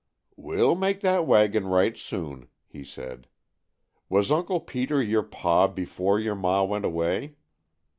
"We'll make that wagon right soon," he said. "Was Uncle Peter your pa before your ma went away?"